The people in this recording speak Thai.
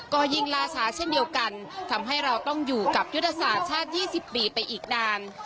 ก็ยิ่งลาชาเช่นเดียวกันทำให้เราต้องอยู่กับยุทธศาสตร์ชาติ๒๐ปีไปอีกนาน